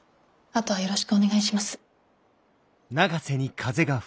あとはよろしくお願いします。